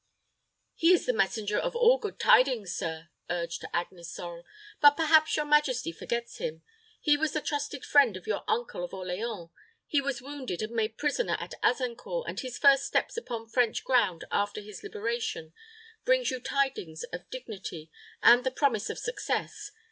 "He is the messenger of all good tidings, sir," urged Agnes Sorel; "but perhaps your majesty forgets him. He was the trusted friend of your uncle of Orleans; he was wounded and made prisoner at Azincourt, and his first steps upon French ground after his liberation brings you tidings of dignity, and the promise of success.